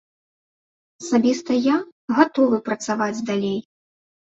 Асабіста я гатовы працаваць далей.